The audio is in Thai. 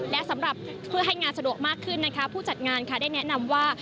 และสำหรับเพื่อให้งานสะดวกมากขึ้นนะคะผู้จัดงานค่ะได้แนะนำว่า